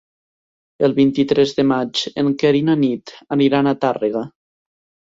El vint-i-tres de maig en Quer i na Nit aniran a Tàrrega.